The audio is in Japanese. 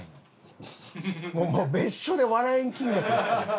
もう別所で笑えん金額になった。